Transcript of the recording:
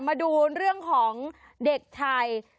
มาดูเรื่องของเด็กไทย